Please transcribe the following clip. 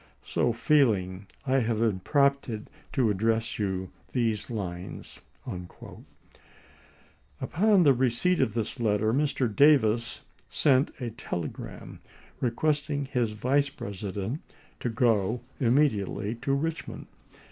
.. So feeling, I have been testates." prompted to address you these lines." v^}m7 Upon the receipt of this letter Mr. Davis sent a telegram requesting his Vice President to go imme diately to Richmond.